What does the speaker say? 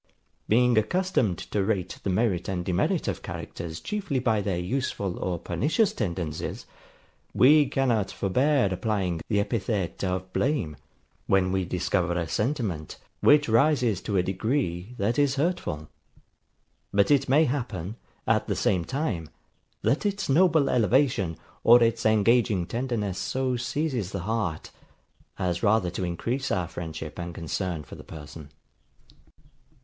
Being accustomed to rate the merit and demerit of characters chiefly by their useful or pernicious tendencies, we cannot forbear applying the epithet of blame, when we discover a sentiment, which rises to a degree, that is hurtful; but it may happen, at the same time, that its noble elevation, or its engaging tenderness so seizes the heart, as rather to increase our friendship and concern for the person.